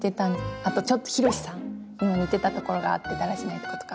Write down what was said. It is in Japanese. あとちょっとひろしさんにも似てたところがあってだらしないとことか。